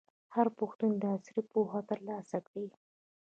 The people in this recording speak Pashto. هر پښتون دي عصري پوهه ترلاسه کړي.